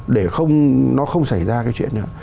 để nó không xảy ra cái chuyện này